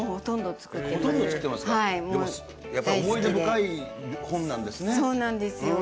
やっぱり思い出深い本なんですね。